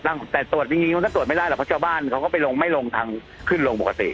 แต่ตรวจจริงมันก็ตรวจไม่ได้หรอกเพราะชาวบ้านเขาก็ไปลงไม่ลงทางขึ้นลงปกติ